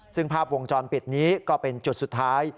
ซึ่งภาพวงจรปิดนี้ก็เป็นจุดสุดท้าย